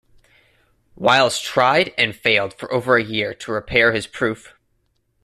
Wiles tried and failed for over a year to repair his proof.